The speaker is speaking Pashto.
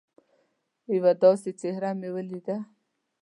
یوه داسي څهره مې ولیده